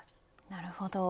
なるほど。